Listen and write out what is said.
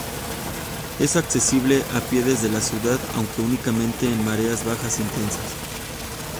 Es accesible a pie desde la ciudad, aunque únicamente en mareas bajas intensas.